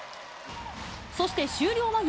そして終了間際。